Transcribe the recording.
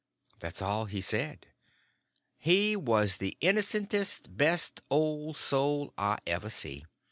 That's all he said. He was the innocentest, best old soul I ever see.